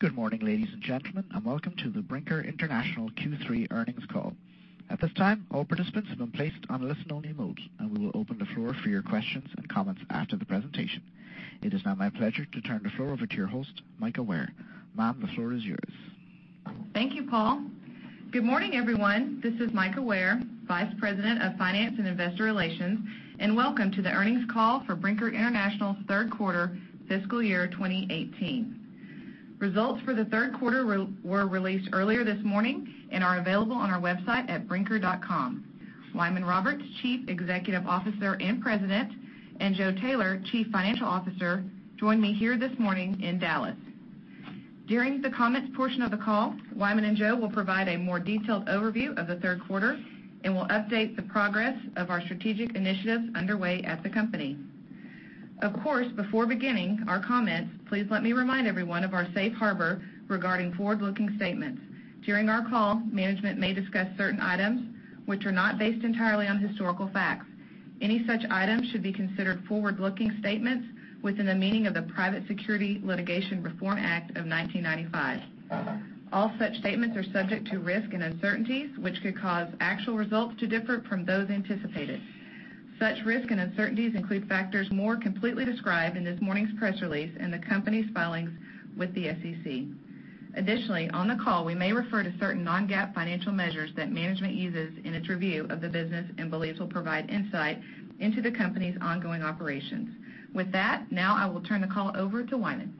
Good morning, ladies and gentlemen, and welcome to the Brinker International Q3 earnings call. At this time, all participants have been placed on listen only mode, and we will open the floor for your questions and comments after the presentation. It is now my pleasure to turn the floor over to your host, Mika Ware. Ma'am, the floor is yours. Thank you, Paul. Good morning, everyone. This is Mika Ware, Vice President of Finance and Investor Relations, and welcome to the earnings call for Brinker International's third quarter fiscal year 2018. Results for the third quarter were released earlier this morning and are available on our website at brinker.com. Wyman Roberts, Chief Executive Officer and President, and Joe Taylor, Chief Financial Officer, join me here this morning in Dallas. During the comments portion of the call, Wyman and Joe will provide a more detailed overview of the third quarter and will update the progress of our strategic initiatives underway at the company. Of course, before beginning our comments, please let me remind everyone of our safe harbor regarding forward-looking statements. Any such items should be considered forward-looking statements within the meaning of the Private Securities Litigation Reform Act of 1995. All such statements are subject to risk and uncertainties, which could cause actual results to differ from those anticipated. Such risk and uncertainties include factors more completely described in this morning's press release and the company's filings with the SEC. Additionally, on the call, we may refer to certain non-GAAP financial measures that management uses in its review of the business and believes will provide insight into the company's ongoing operations. With that, now I will turn the call over to Wyman.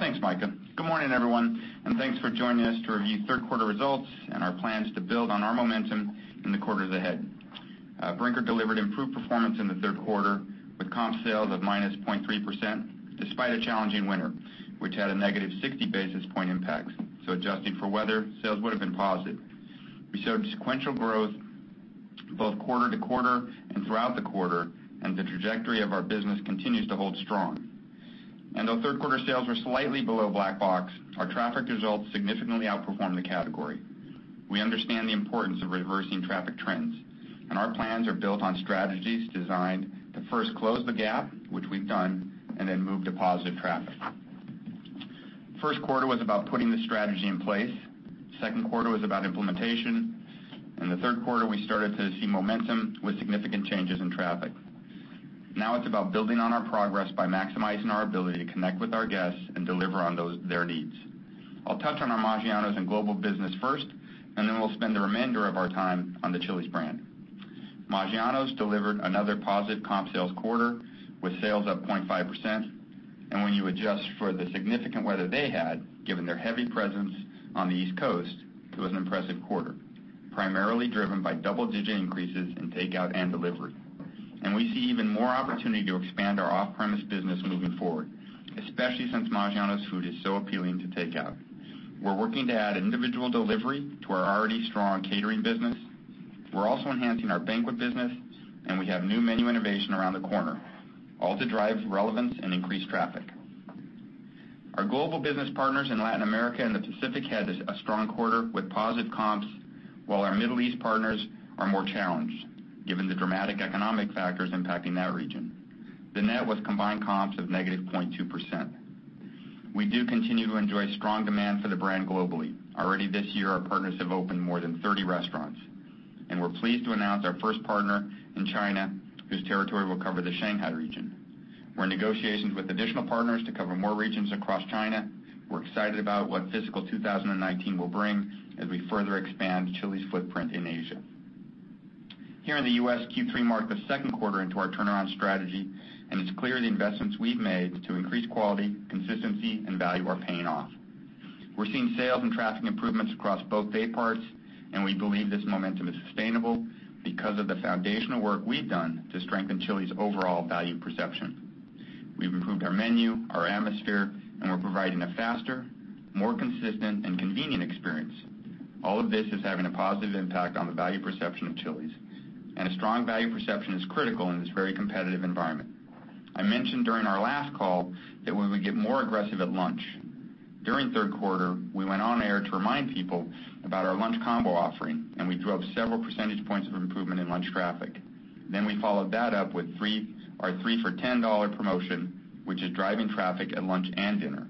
Thanks, Mika. Good morning, everyone, and thanks for joining us to review third quarter results and our plans to build on our momentum in the quarter ahead. Brinker delivered improved performance in the third quarter with comp sales of -0.3%, despite a challenging winter, which had a negative 60 basis point impact. Adjusting for weather, sales would have been positive. We showed sequential growth both quarter to quarter and throughout the quarter, and the trajectory of our business continues to hold strong. Though third quarter sales were slightly below Black Box, our traffic results significantly outperformed the category. We understand the importance of reversing traffic trends, and our plans are built on strategies designed to first close the gap, which we've done, and then move to positive traffic. First quarter was about putting the strategy in place, second quarter was about implementation. The third quarter, we started to see momentum with significant changes in traffic. Now it's about building on our progress by maximizing our ability to connect with our guests and deliver on their needs. I'll touch on our Maggiano's and global business first, then we'll spend the remainder of our time on the Chili's brand. Maggiano's delivered another positive comp sales quarter with sales up 0.5%. When you adjust for the significant weather they had, given their heavy presence on the East Coast, it was an impressive quarter, primarily driven by double-digit increases in takeout and delivery. We see even more opportunity to expand our off-premise business moving forward, especially since Maggiano's food is so appealing to takeout. We're working to add individual delivery to our already strong catering business. We're also enhancing our banquet business. We have new menu innovation around the corner, all to drive relevance and increase traffic. Our global business partners in Latin America and the Pacific had a strong quarter with positive comps, while our Middle East partners are more challenged, given the dramatic economic factors impacting that region. The net was combined comps of -0.2%. We do continue to enjoy strong demand for the brand globally. Already this year, our partners have opened more than 30 restaurants. We're pleased to announce our first partner in China, whose territory will cover the Shanghai region. We're in negotiations with additional partners to cover more regions across China. We're excited about what fiscal 2019 will bring as we further expand Chili's footprint in Asia. Here in the U.S., Q3 marked the second quarter into our turnaround strategy. It's clear the investments we've made to increase quality, consistency, and value are paying off. We're seeing sales and traffic improvements across both day parts. We believe this momentum is sustainable because of the foundational work we've done to strengthen Chili's overall value perception. We've improved our menu, our atmosphere. We're providing a faster, more consistent, and convenient experience. All of this is having a positive impact on the value perception of Chili's. A strong value perception is critical in this very competitive environment. I mentioned during our last call that we would get more aggressive at lunch. During third quarter, we went on air to remind people about our lunch combo offering. We drove several percentage points of improvement in lunch traffic. We followed that up with our 3 for $10 promotion, which is driving traffic at lunch and dinner.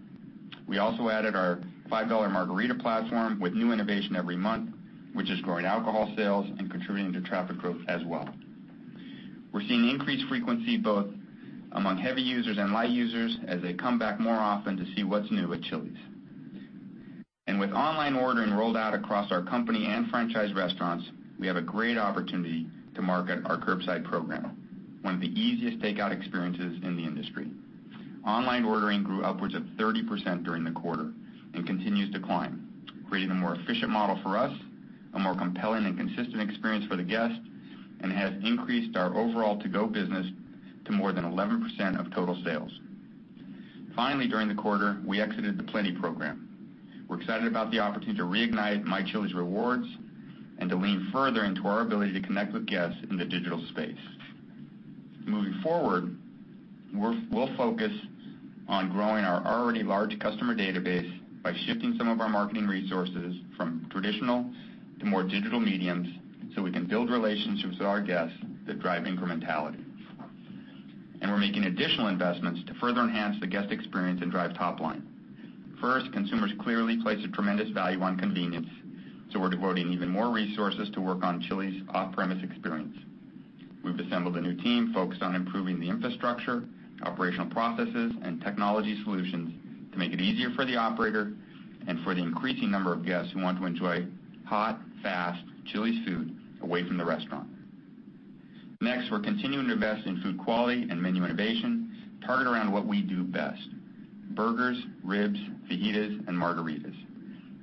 We also added our $5 margarita platform with new innovation every month, which is growing alcohol sales and contributing to traffic growth as well. We're seeing increased frequency both among heavy users and light users as they come back more often to see what's new at Chili's. With online ordering rolled out across our company and franchise restaurants, we have a great opportunity to market our curbside program, one of the easiest takeout experiences in the industry. Online ordering grew upwards of 30% during the quarter and continues to climb, creating a more efficient model for us, a more compelling and consistent experience for the guest, and has increased our overall to-go business to more than 11% of total sales. Finally, during the quarter, we exited the Plenti program. We're excited about the opportunity to reignite My Chili's Rewards and to lean further into our ability to connect with guests in the digital space. Moving forward, we'll focus on growing our already large customer database by shifting some of our marketing resources from traditional to more digital mediums so we can build relationships with our guests that drive incrementality. We're making additional investments to further enhance the guest experience and drive top line. First, consumers clearly place a tremendous value on convenience, so we're devoting even more resources to work on Chili's off-premise experience. We've assembled a new team focused on improving the infrastructure, operational processes, and technology solutions to make it easier for the operator and for the increasing number of guests who want to enjoy hot, fast Chili's food away from the restaurant. Next, we're continuing to invest in food quality and menu innovation, targeted around what we do best: burgers, ribs, fajitas, and margaritas.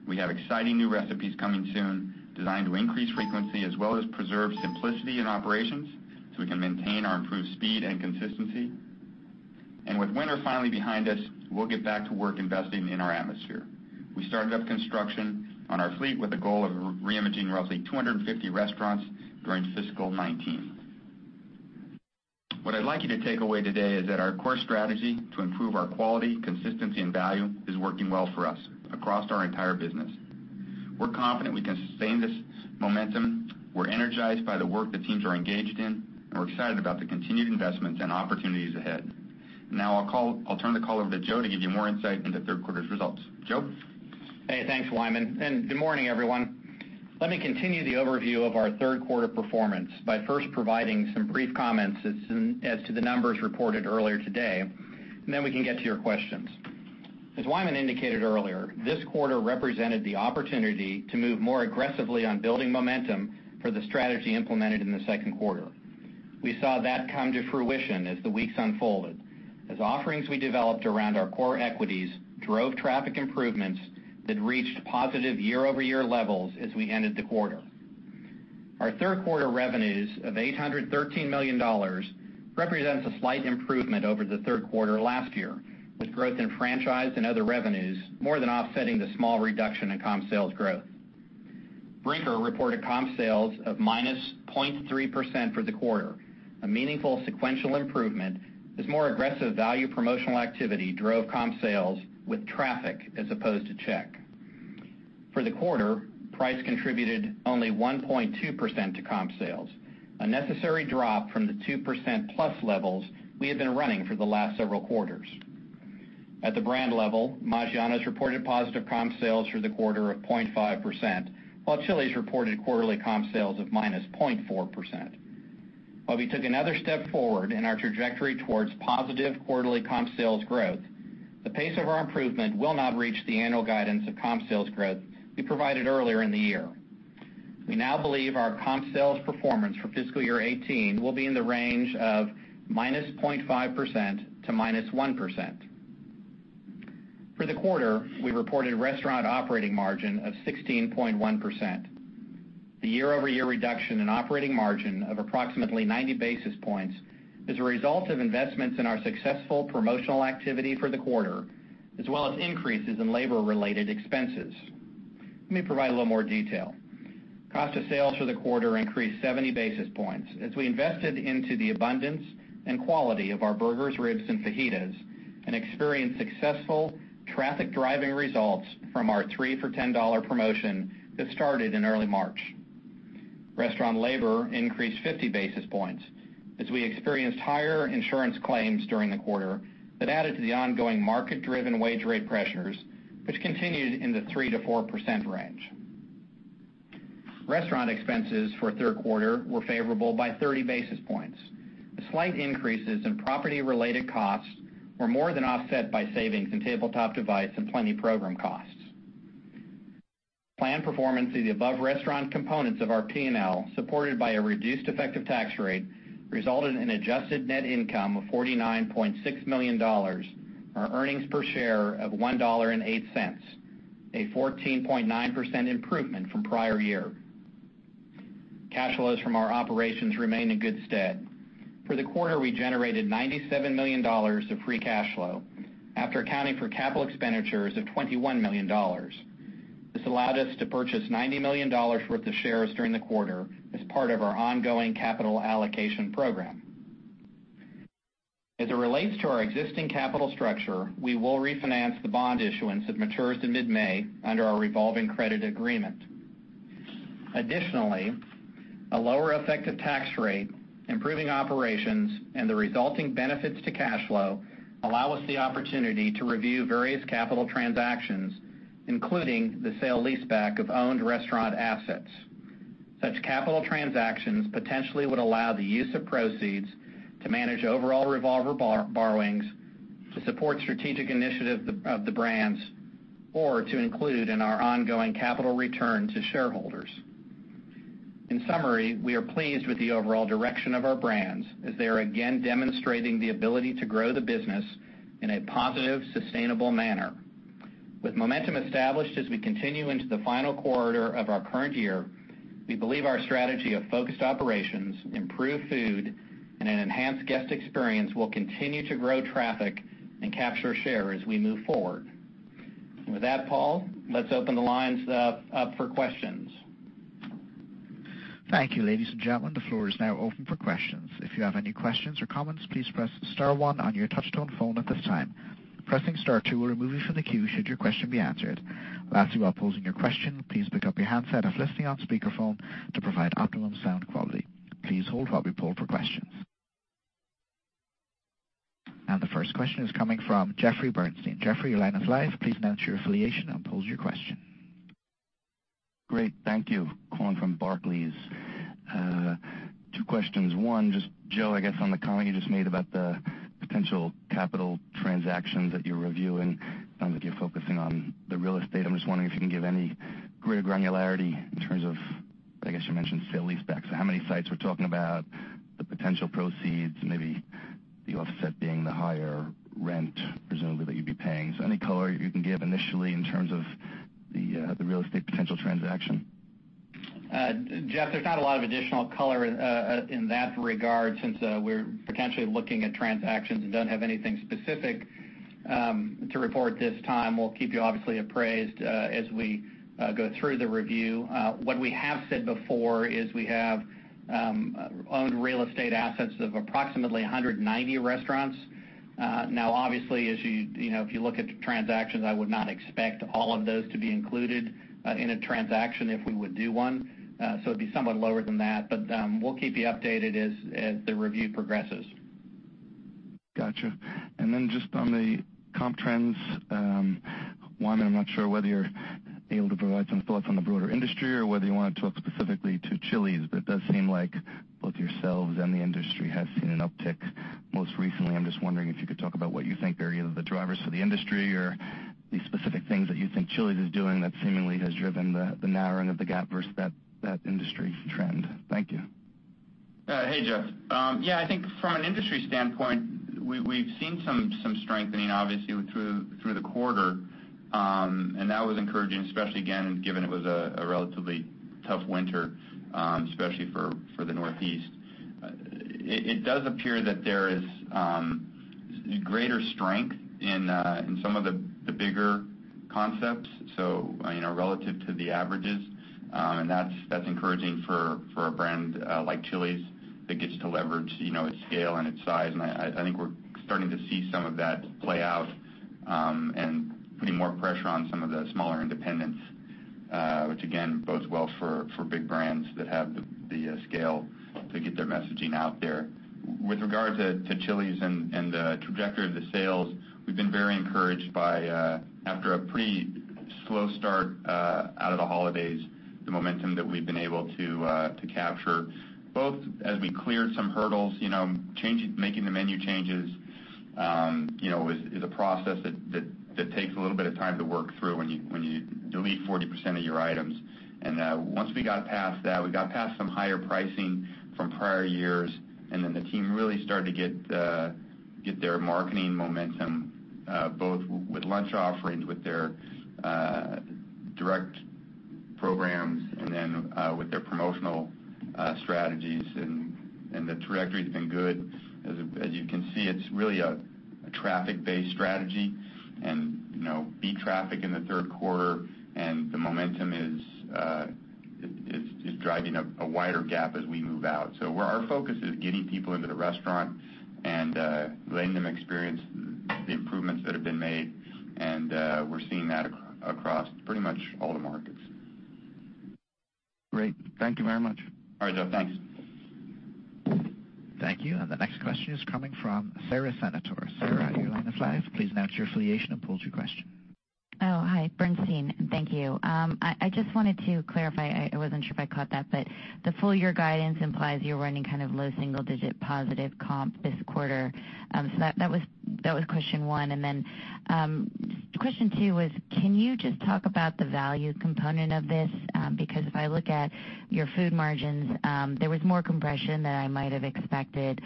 We have exciting new recipes coming soon, designed to increase frequency as well as preserve simplicity in operations, so we can maintain our improved speed and consistency. With winter finally behind us, we'll get back to work investing in our atmosphere. We started up construction on our fleet with a goal of reimaging roughly 250 restaurants during fiscal 2019. What I'd like you to take away today is that our core strategy to improve our quality, consistency, and value is working well for us across our entire business. We're confident we can sustain this momentum, we're energized by the work the teams are engaged in, and we're excited about the continued investments and opportunities ahead. Now, I'll turn the call over to Joe to give you more insight into the third quarter's results. Joe? Hey, thanks, Wyman. Good morning, everyone. Let me continue the overview of our third quarter performance by first providing some brief comments as to the numbers reported earlier today, then we can get to your questions. As Wyman indicated earlier, this quarter represented the opportunity to move more aggressively on building momentum for the strategy implemented in the second quarter. We saw that come to fruition as the weeks unfolded, as offerings we developed around our core equities drove traffic improvements that reached positive year-over-year levels as we ended the quarter. Our third quarter revenues of $813 million represents a slight improvement over the third quarter last year, with growth in franchise and other revenues more than offsetting the small reduction in comp sales growth. Brinker reported comp sales of -0.3% for the quarter, a meaningful sequential improvement as more aggressive value promotional activity drove comp sales with traffic as opposed to check. For the quarter, price contributed only 1.2% to comp sales, a necessary drop from the 2%+ levels we had been running for the last several quarters. At the brand level, Maggiano's reported positive comp sales for the quarter of 0.5%, while Chili's reported quarterly comp sales of -0.4%. While we took another step forward in our trajectory towards positive quarterly comp sales growth, the pace of our improvement will not reach the annual guidance of comp sales growth we provided earlier in the year. We now believe our comp sales performance for fiscal year 2018 will be in the range of -0.5% to -1%. For the quarter, we reported restaurant operating margin of 16.1%. The year-over-year reduction in operating margin of approximately 90 basis points is a result of investments in our successful promotional activity for the quarter, as well as increases in labor-related expenses. Let me provide a little more detail. Cost of sales for the quarter increased 70 basis points as we invested into the abundance and quality of our burgers, ribs, and fajitas and experienced successful traffic-driving results from our 3 for $10 promotion that started in early March. Restaurant labor increased 50 basis points as we experienced higher insurance claims during the quarter that added to the ongoing market-driven wage rate pressures, which continued in the 3%-4% range. Restaurant expenses for third quarter were favorable by 30 basis points, as slight increases in property-related costs were more than offset by savings in tabletop device and Plenti program costs. Planned performance in the above-restaurant components of our P&L, supported by a reduced effective tax rate, resulted in adjusted net income of $49.6 million, or earnings per share of $1.08, a 14.9% improvement from prior year. Cash flows from our operations remain in good stead. For the quarter, we generated $97 million of free cash flow after accounting for capital expenditures of $21 million. This allowed us to purchase $90 million worth of shares during the quarter as part of our ongoing capital allocation program. As it relates to our existing capital structure, we will refinance the bond issuance that matures in mid-May under our revolving credit agreement. Additionally, a lower effective tax rate, improving operations, and the resulting benefits to cash flow allow us the opportunity to review various capital transactions, including the sale leaseback of owned restaurant assets. Such capital transactions potentially would allow the use of proceeds to manage overall revolver borrowings, to support strategic initiatives of the brands, or to include in our ongoing capital return to shareholders. In summary, we are pleased with the overall direction of our brands as they are again demonstrating the ability to grow the business in a positive, sustainable manner. With momentum established as we continue into the final quarter of our current year, we believe our strategy of focused operations, improved food, and an enhanced guest experience will continue to grow traffic and capture share as we move forward. With that, Paul, let's open the lines up for questions. Thank you, ladies and gentlemen, the floor is now open for questions. If you have any questions or comments, please press *1 on your touchtone phone at this time. Pressing star two will remove you from the queue should your question be answered. Lastly, while posing your question, please pick up your handset if listening on speakerphone to provide optimum sound quality. Please hold while we poll for questions. The first question is coming from Jeffrey Bernstein. Jeffrey, your line is live. Please announce your affiliation and pose your question. Great. Thank you. Calling from Barclays. Two questions. One, just Joe, I guess on the comment you just made about the potential capital transactions that you're reviewing and that you're focusing on the real estate. I'm just wondering if you can give any greater granularity in terms of, I guess you mentioned sale-leasebacks. How many sites we're talking about, the potential proceeds, maybe the offset being the higher rent, presumably that you'd be paying. Any color you can give initially in terms of the real estate potential transaction? Jeff, there's not a lot of additional color in that regard since we're potentially looking at transactions and don't have anything specific to report this time. We'll keep you obviously appraised as we go through the review. What we have said before is we have owned real estate assets of approximately 190 restaurants. Obviously, if you look at transactions, I would not expect all of those to be included in a transaction if we would do one. It'd be somewhat lower than that, but we'll keep you updated as the review progresses. Got you. Just on the comp trends, one, I'm not sure whether you're able to provide some thoughts on the broader industry or whether you want to talk specifically to Chili's, but it does seem like both yourselves and the industry has seen an uptick most recently. I'm just wondering if you could talk about what you think are either the drivers for the industry or the specific things that you think Chili's is doing that seemingly has driven the narrowing of the gap versus that industry trend. Thank you. Hey, Jeff. Yeah, I think from an industry standpoint, we've seen some strengthening obviously through the quarter. That was encouraging, especially again, given it was a relatively tough winter, especially for the Northeast. It does appear that there is greater strength in some of the bigger concepts, relative to the averages. That's encouraging for a brand like Chili's that gets to leverage its scale and its size. I think we're starting to see some of that play out, putting more pressure on some of the smaller independents, which again, bodes well for big brands that have the scale to get their messaging out there. With regard to Chili's and the trajectory of the sales, we've been very encouraged by, after a pretty slow start out of the holidays, the momentum that we've been able to capture, both as we cleared some hurdles, making the menu changes is a process that takes a little bit of time to work through when you delete 40% of your items. Once we got past that, we got past some higher pricing from prior years, the team really started to get their marketing momentum, both with lunch offerings, with their direct programs, and with their promotional strategies. The trajectory's been good. As you can see, it's really a traffic-based strategy beat traffic in the third quarter and the momentum is driving a wider gap as we move out. Our focus is getting people into the restaurant and letting them experience the improvements that have been made. We're seeing that across pretty much all the markets. Great. Thank you very much. All right, Jeff. Thanks. Thank you. The next question is coming from Sara Senatore. Sara, your line is live. Please announce your affiliation and pose your question. Hi, Bernstein. Thank you. I just wanted to clarify, I wasn't sure if I caught that, the full year guidance implies you're running kind of low single-digit positive comp this quarter. That was question 1. Question 2 was, can you just talk about the value component of this? If I look at your food margins, there was more compression than I might have expected,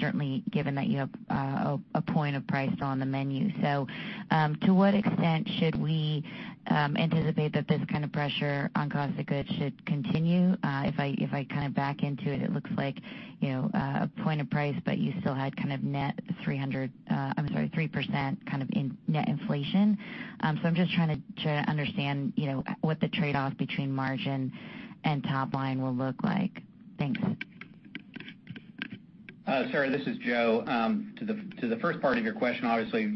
certainly given that you have a point of price on the menu. To what extent should we anticipate that this kind of pressure on cost of goods should continue? If I kind of back into it looks like a point of price, you still had 3% kind of net inflation. I'm just trying to understand what the trade-off between margin and top line will look like. Thanks. Sara, this is Joe. To the first part of your question, obviously,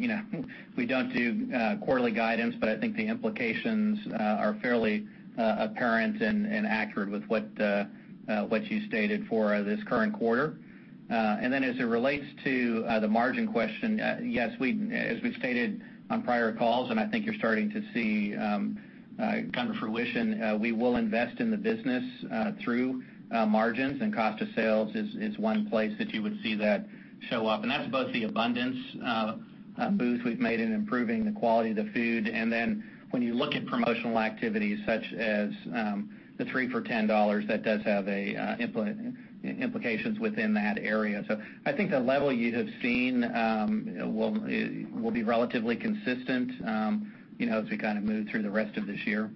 we don't do quarterly guidance, I think the implications are fairly apparent and accurate with what you stated for this current quarter. As it relates to the margin question, yes, as we've stated on prior calls, I think you're starting to see kind of fruition, we will invest in the business through margins and cost of sales is 1 place that you would see that show up. That's both the abundance moves we've made in improving the quality of the food, when you look at promotional activities such as the 3 for $10, that does have implications within that area. I think the level you have seen will be relatively consistent as we kind of move through the rest of this year.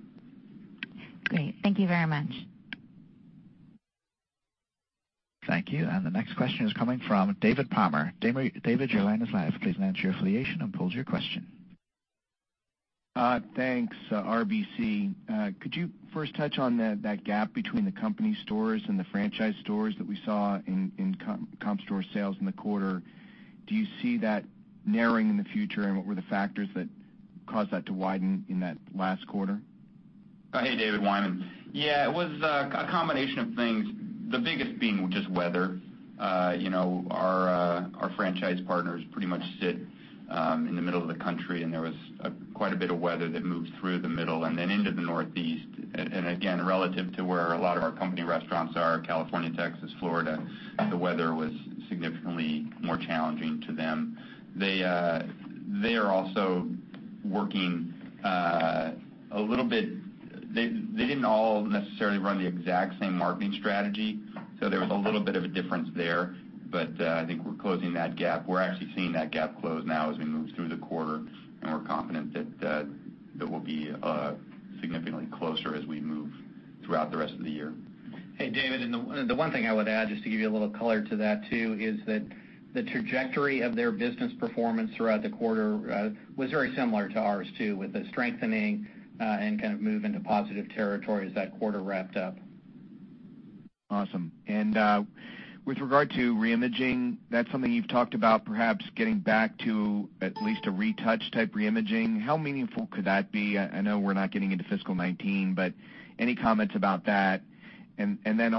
Great. Thank you very much. Thank you. The next question is coming from David Palmer. David, your line is live. Please announce your affiliation and pose your question. Thanks. RBC. Could you first touch on that gap between the company stores and the franchise stores that we saw in comp store sales in the quarter? Do you see that narrowing in the future, and what were the factors that caused that to widen in that last quarter? Hey, David. Wyman. Yeah, it was a combination of things, the biggest being just weather. Our franchise partners pretty much sit in the middle of the country, and there was quite a bit of weather that moved through the middle and then into the Northeast. Again, relative to where a lot of our company restaurants are, California, Texas, Florida, the weather was significantly more challenging to them. They are also working a little bit. They didn't all necessarily run the exact same marketing strategy, so there was a little bit of a difference there. I think we're closing that gap. We're actually seeing that gap close now as we move through the quarter, and we're confident that we'll be significantly closer as we move throughout the rest of the year. Hey, David. The one thing I would add, just to give you a little color to that too, is that the trajectory of their business performance throughout the quarter was very similar to ours too, with a strengthening and kind of move into positive territory as that quarter wrapped up. Awesome. With regard to re-imaging, that's something you've talked about perhaps getting back to at least a retouch type re-imaging. How meaningful could that be? I know we're not getting into fiscal 2019, but any comments about that?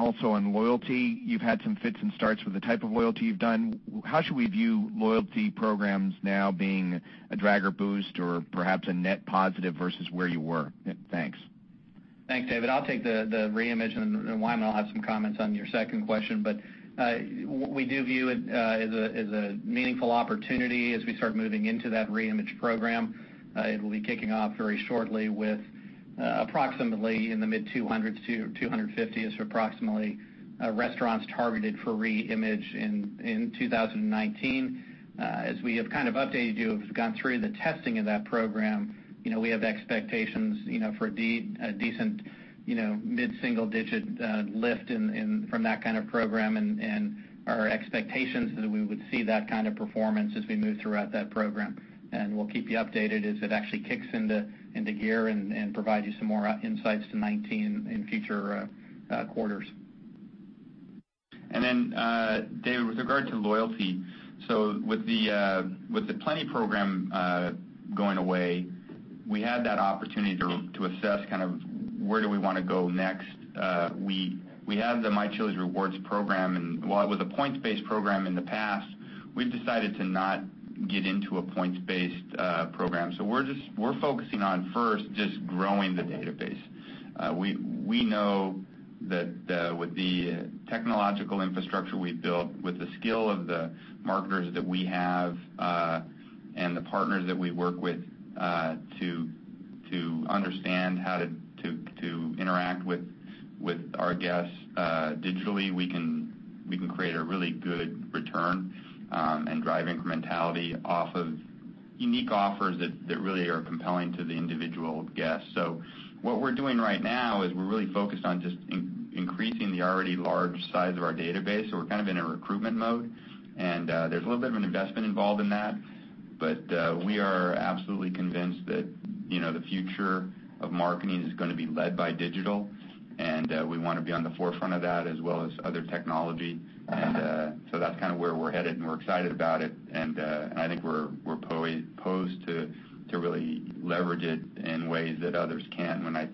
Also on loyalty, you've had some fits and starts with the type of loyalty you've done. How should we view loyalty programs now being a drag or boost or perhaps a net positive versus where you were? Thanks. Thanks, David. I'll take the re-image, and Wyman will have some comments on your second question. We do view it as a meaningful opportunity as we start moving into that re-image program. It will be kicking off very shortly with approximately in the mid-200s to 250-ish, approximately, restaurants targeted for re-image in 2019. As we have kind of updated you, have gone through the testing of that program, we have expectations for a decent mid-single-digit lift from that kind of program and our expectations that we would see that kind of performance as we move throughout that program. We'll keep you updated as it actually kicks into gear and provide you some more insights to 2019 in future quarters. David, with regard to loyalty, with the Plenti program going away, we had that opportunity to assess kind of where do we want to go next. We have the My Chili's Rewards program, while it was a points-based program in the past, we've decided to not get into a points-based program. We're focusing on first just growing the database. We know that with the technological infrastructure we've built, with the skill of the marketers that we have, and the partners that we work with to understand how to interact with our guests digitally, we can create a really good return and drive incrementality off of unique offers that really are compelling to the individual guest. What we're doing right now is we're really focused on just increasing the already large size of our database. We're kind of in a recruitment mode. There's a little bit of an investment involved in that. We are absolutely convinced that the future of marketing is going to be led by digital. We want to be on the forefront of that as well as other technology. That's kind of where we're headed. We're excited about it. I think we're posed to really leverage it in ways that others can't. When I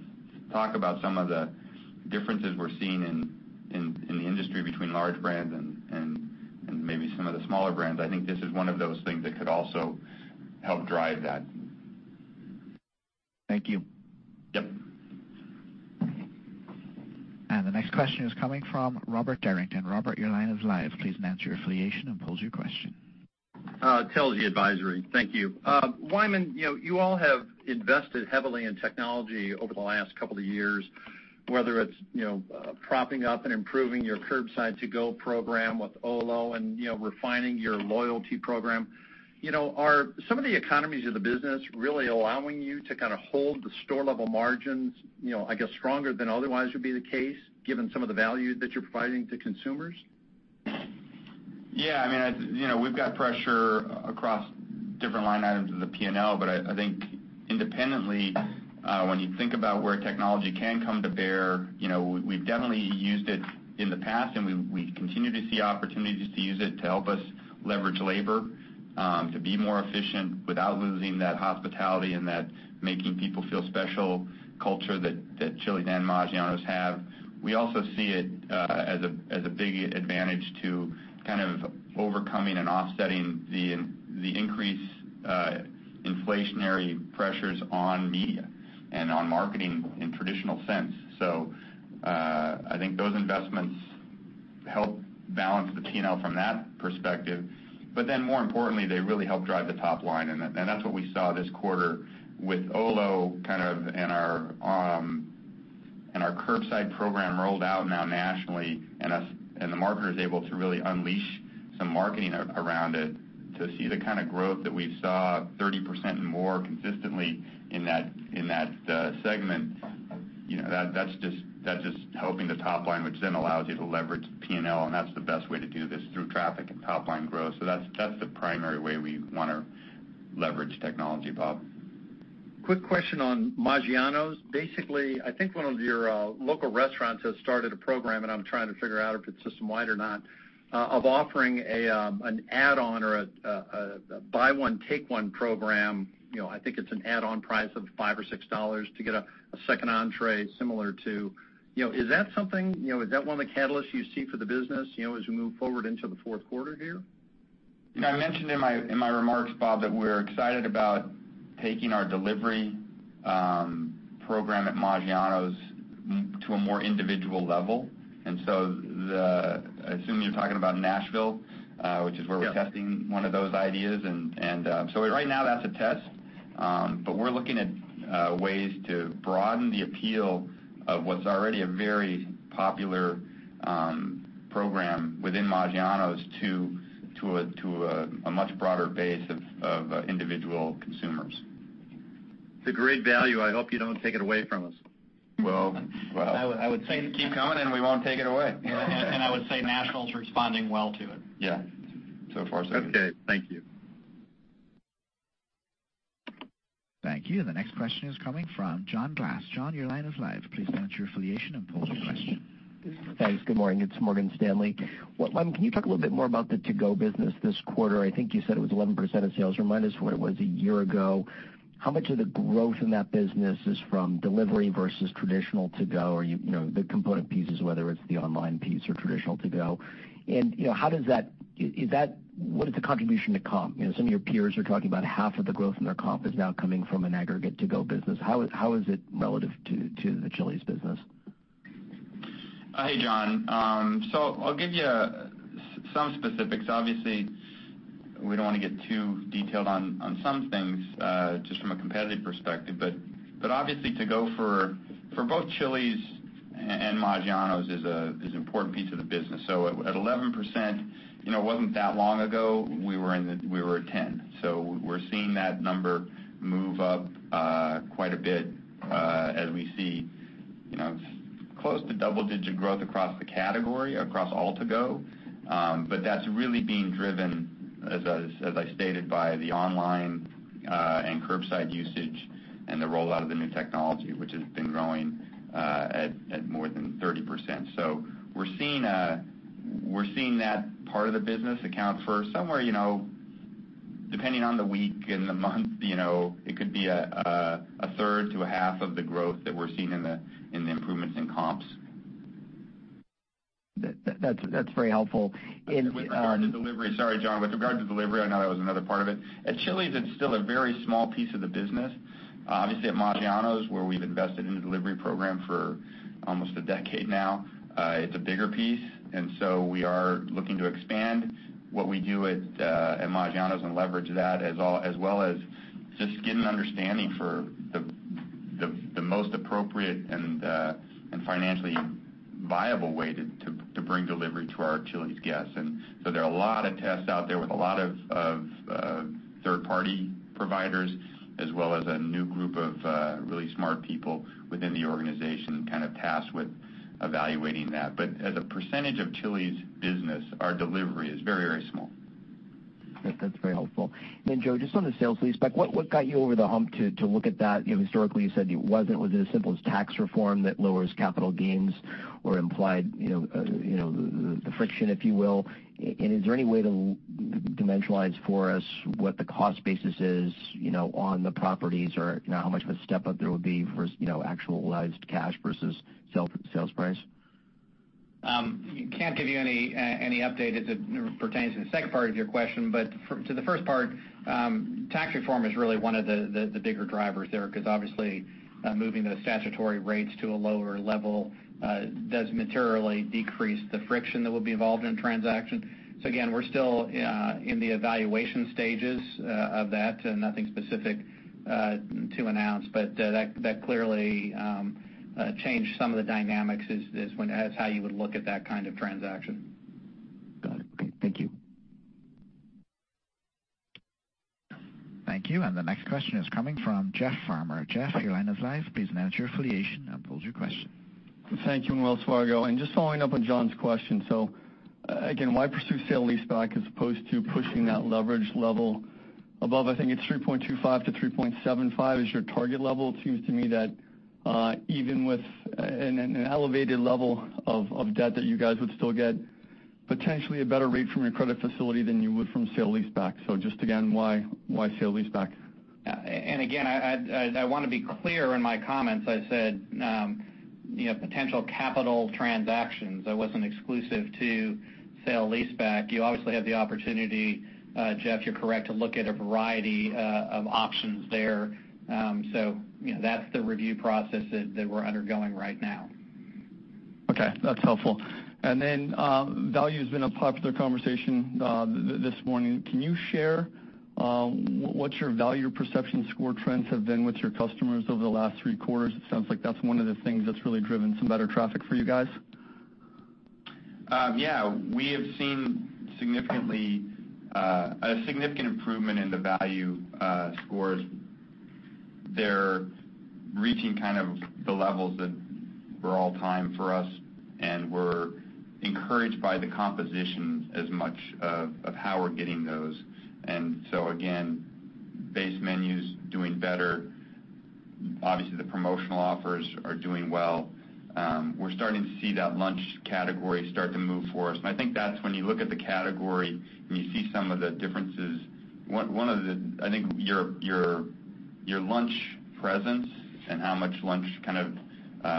talk about some of the differences we're seeing in the industry between large brands and maybe some of the smaller brands, I think this is one of those things that could also help drive that. Thank you. Yep. The next question is coming from Robert Derrington. Robert, your line is live. Please state your affiliation and pose your question. Telsey Advisory. Thank you. Wyman, you all have invested heavily in technology over the last couple of years, whether it's propping up and improving your curbside to-go program with Olo and refining your loyalty program. Are some of the economies of the business really allowing you to kind of hold the store-level margins, I guess, stronger than otherwise would be the case, given some of the value that you're providing to consumers? Yeah. We've got pressure across different line items of the P&L. I think independently, when you think about where technology can come to bear, we've definitely used it in the past and we continue to see opportunities to use it to help us leverage labor to be more efficient without losing that hospitality and that making people feel special culture that Chili's and Maggiano's have. We also see it as a big advantage to kind of overcoming and offsetting the increased inflationary pressures on media and on marketing in traditional sense. I think those investments help balance the P&L from that perspective. More importantly, they really help drive the top line, and that's what we saw this quarter with Olo kind of and our curbside program rolled out now nationally, and the marketers able to really unleash some marketing around it to see the kind of growth that we saw 30% more consistently in that segment. That's just helping the top line, which then allows you to leverage P&L, and that's the best way to do this, through traffic and top-line growth. That's the primary way we want to leverage technology, Bob. Quick question on Maggiano's. Basically, I think one of your local restaurants has started a program, and I'm trying to figure out if it's system-wide or not, of offering an add-on or a buy one take one program. I think it's an add-on price of $5 or $6 to get a second entrée similar to. Is that one of the catalysts you see for the business as we move forward into the fourth quarter here? I mentioned in my remarks, Bob, that we're excited about taking our delivery program at Maggiano's to a more individual level. I assume you're talking about Nashville- Yes which is where we're testing one of those ideas. Right now that's a test. We're looking at ways to broaden the appeal of what's already a very popular program within Maggiano's to a much broader base of individual consumers. It's a great value. I hope you don't take it away from us. Well. I would say keep coming, and we won't take it away. I would say Nashville's responding well to it. Yeah. So far, so good. Okay. Thank you. Thank you. The next question is coming from John Glass. John, your line is live. Please state your affiliation and pose your question. Thanks. Good morning. It's Morgan Stanley. Wyman, can you talk a little bit more about the to-go business this quarter? I think you said it was 11% of sales, remind us what it was a year ago. How much of the growth in that business is from delivery versus traditional to-go, or the component pieces, whether it's the online piece or traditional to-go. What is the contribution to comp? Some of your peers are talking about half of the growth in their comp is now coming from an aggregate to-go business. How is it relative to the Chili's business? Hey, John. I'll give you some specifics. Obviously, we don't want to get too detailed on some things, just from a competitive perspective. Obviously to-go for both Chili's and Maggiano's is an important piece of the business. At 11%, it wasn't that long ago, we were at 10. We're seeing that number move up quite a bit as we see close to double-digit growth across the category, across all to-go. That's really being driven, as I stated, by the online and curbside usage and the rollout of the new technology, which has been growing at more than 30%. We're seeing that part of the business account for somewhere, depending on the week and the month, it could be a third to a half of the growth that we're seeing in the improvements in comps. That's very helpful. With regard to delivery, sorry, John. With regard to delivery, I know that was another part of it. At Chili's, it's still a very small piece of the business. Obviously at Maggiano's, where we've invested in the delivery program for almost a decade now, it's a bigger piece, so we are looking to expand what we do at Maggiano's and leverage that as well as just get an understanding for the most appropriate and financially viable way to bring delivery to our Chili's guests. There are a lot of tests out there with a lot of third-party providers, as well as a new group of really smart people within the organization tasked with evaluating that. As a percentage of Chili's business, our delivery is very small. That's very helpful. Joe, just on the sale leaseback, what got you over the hump to look at that? Historically, you said it wasn't as simple as tax reform that lowers capital gains or implied the friction, if you will. Is there any way to dimensionalize for us what the cost basis is on the properties or how much of a step-up there would be for actualized cash versus sales price? I can't give you any update as it pertains to the second part of your question, but to the first part, tax reform is really one of the bigger drivers there, because obviously, moving the statutory rates to a lower level does materially decrease the friction that would be involved in a transaction. Again, we're still in the evaluation stages of that, nothing specific to announce, but that clearly changed some of the dynamics as how you would look at that kind of transaction. Got it. Okay. Thank you. Thank you. The next question is coming from Jeff Farmer. Jeff, your line is live. Please state your affiliation and pose your question. Thank you. Wells Fargo. Just following up on John's question. Again, why pursue sale leaseback as opposed to pushing that leverage level above, I think it's 3.25 to 3.75 is your target level. It seems to me that even with an elevated level of debt, that you guys would still get potentially a better rate from your credit facility than you would from sale leaseback. Just again, why sale leaseback? Again, I want to be clear in my comments. I said potential capital transactions. I wasn't exclusive to sale leaseback. You obviously have the opportunity, Jeff, you're correct, to look at a variety of options there. That's the review process that we're undergoing right now. Okay. That's helpful. Value's been a popular conversation this morning. Can you share what your value perception score trends have been with your customers over the last three quarters? It sounds like that's one of the things that's really driven some better traffic for you guys. Yeah, we have seen a significant improvement in the value scores. They're reaching the levels that were all-time for us, and we're encouraged by the composition as much of how we're getting those. Again, base menu's doing better. Obviously, the promotional offers are doing well. We're starting to see that lunch category start to move for us, and I think that's when you look at the category and you see some of the differences. I think your lunch presence and how much lunch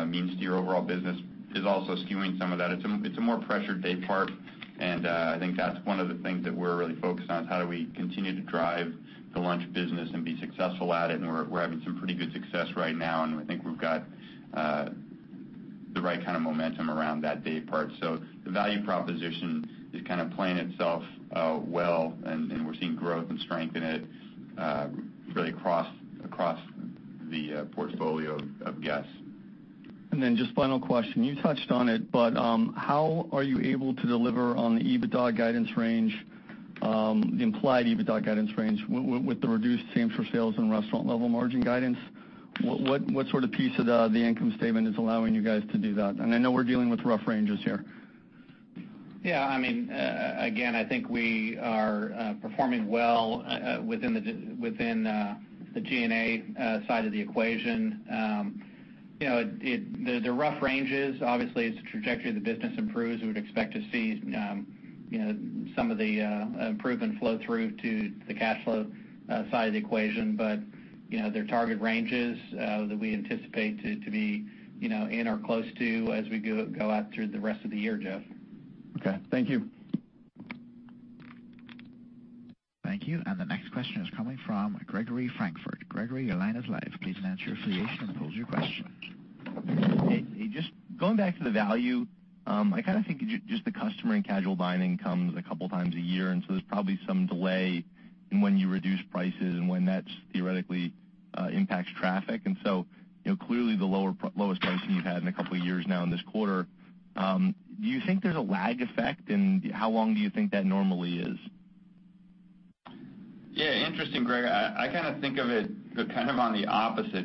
means to your overall business is also skewing some of that. It's a more pressured day part, and I think that's one of the things that we're really focused on, is how do we continue to drive the lunch business and be successful at it, and we're having some pretty good success right now, and I think we've got the right kind of momentum around that day part. The value proposition is kind of playing itself well, and we're seeing growth and strength in it really across the portfolio of guests. Just final question, you touched on it, but how are you able to deliver on the EBITDA guidance range, the implied EBITDA guidance range with the reduced same-store sales and restaurant level margin guidance? What sort of piece of the income statement is allowing you guys to do that? I know we're dealing with rough ranges here. Yeah. Again, I think we are performing well within the G&A side of the equation. The rough range is, obviously, as the trajectory of the business improves, we would expect to see some of the improvement flow through to the cash flow side of the equation. They're target ranges that we anticipate to be in or close to as we go out through the rest of the year, Jeff. Okay. Thank you. Thank you. The next question is coming from Gregory R. Francfort. Gregory, your line is live. Please state your affiliation, and pose your question. Hey. Just going back to the value, I think just the customer in casual dining comes a couple times a year, so there's probably some delay in when you reduce prices and when that theoretically impacts traffic. So clearly, the lowest pricing you've had in a couple of years now in this quarter, do you think there's a lag effect and how long do you think that normally is? Yeah. Interesting, Greg. I think of it kind of on the opposite.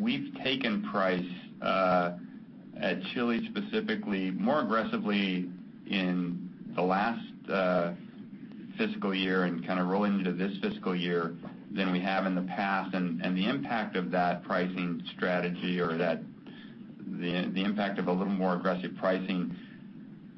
We've taken price at Chili's specifically more aggressively in the last fiscal year and rolling into this fiscal year than we have in the past. The impact of that pricing strategy or the impact of a little more aggressive pricing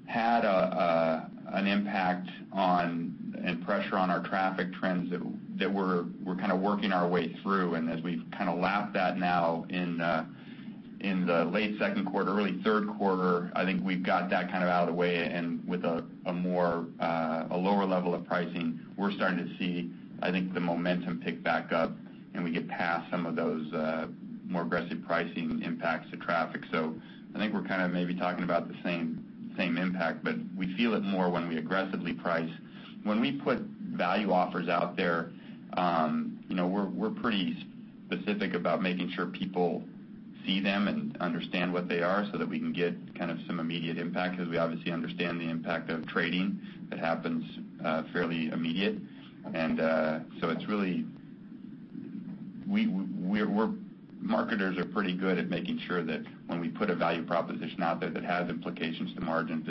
had an impact on and pressure on our traffic trends that we're working our way through. As we've lapped that now in the late second quarter, early third quarter, I think we've got that out of the way, and with a lower level of pricing, we're starting to see, I think, the momentum pick back up and we get past some of those more aggressive pricing impacts to traffic. I think we're maybe talking about the same impact, but we feel it more when we aggressively price. When we put value offers out there, we're pretty specific about making sure people see them and understand what they are so that we can get some immediate impact because we obviously understand the impact of trading that happens fairly immediate. Marketers are pretty good at making sure that when we put a value proposition out there that has implications to margins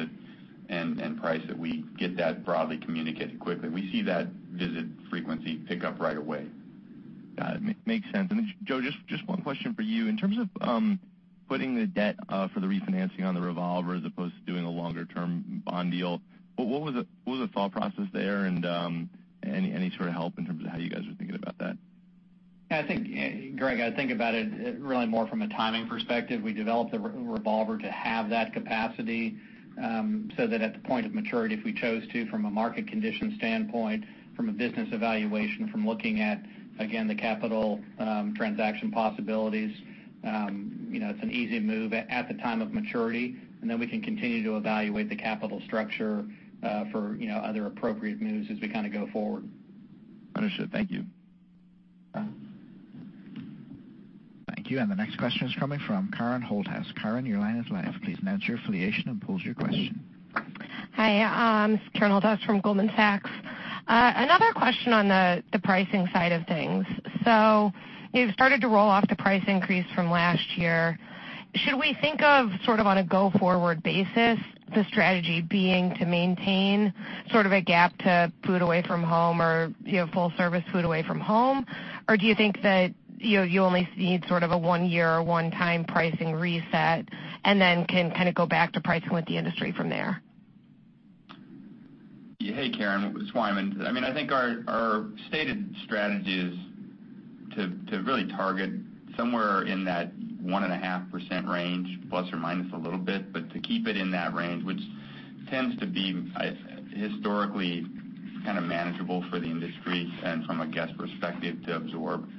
and price, that we get that broadly communicated quickly. We see that visit frequency pick up right away. Got it. Makes sense. Joe, just one question for you. In terms of putting the debt for the refinancing on the revolver as opposed to doing a longer-term bond deal, what was the thought process there and any sort of help in terms of how you guys are thinking about that? I think, Greg, I think about it really more from a timing perspective. We developed the revolver to have that capacity so that at the point of maturity, if we chose to, from a market condition standpoint, from a business evaluation, from looking at, again, the capital transaction possibilities, it's an easy move at the time of maturity, we can continue to evaluate the capital structure for other appropriate moves as we go forward. Understood. Thank you. Thank you. The next question is coming from Karen Holthouse. Karen, your line is live. Please state your affiliation and pose your question. Hi, Karen Holthouse from Goldman Sachs. Another question on the pricing side of things. You've started to roll off the price increase from last year. Should we think of, sort of on a go-forward basis, the strategy being to maintain sort of a gap to food away from home or full-service food away from home? Do you think that you only need sort of a one-year or one-time pricing reset and then can go back to pricing with the industry from there? Hey, Karen. It's Wyman. I think our stated strategy is to really target somewhere in that 1.5% range, ± a little bit, but to keep it in that range, which tends to be historically manageable for the industry and from a guest perspective to absorb.